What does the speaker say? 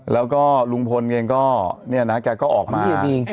แล้วก็ลุงพลเองก็เนี่ยนะแกก็ออกมา